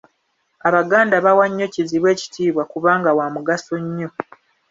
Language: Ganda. Abaganda bawa nnyo kizibwe ekitiibwa kubanga wa mugaso nnyo.